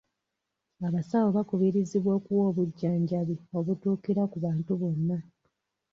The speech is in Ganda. Abasawo bakubirizibwa okuwa obujjanjabi obutuukira ku bantu bonna.